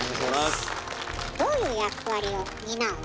どういう役割を担うの？